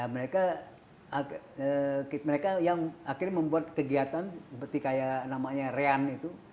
mereka yang akhirnya membuat kegiatan seperti kayak namanya rean itu